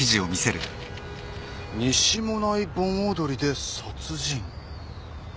「西馬音内盆踊りで殺人」